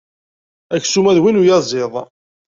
Aksum-a d win uyaẓiḍ.